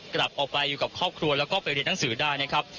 กลับออกไปอยู่กับครอบครัวแล้วก็ไปเรียนหนังสือได้นะครับ